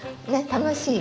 楽しい。